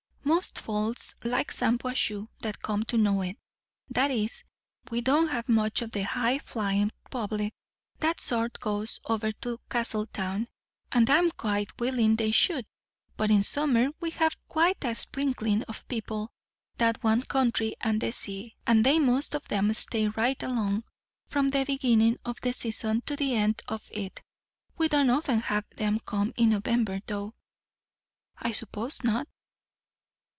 "Most folks like Shampuashuh that come to know it. That is! we don't have much of the high flyin' public; that sort goes over to Castletown, and I'm quite willin' they should; but in summer we have quite a sprinklin' of people that want country and the sea; and they most of 'em stay right along, from the beginning of the season to the end of it. We don't often have 'em come in November, though." "I suppose not."